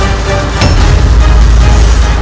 aku akan menangkapmu